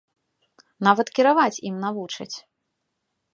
Нават кіраваць ім навучаць.